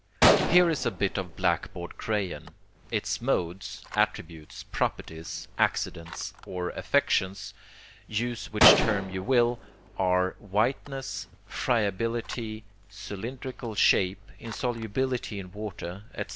Here is a bit of blackboard crayon. Its modes, attributes, properties, accidents, or affections, use which term you will, are whiteness, friability, cylindrical shape, insolubility in water, etc.